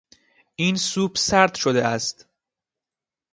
این سوپ سرد شده است.